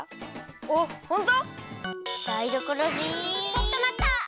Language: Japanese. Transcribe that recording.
ちょっとまった！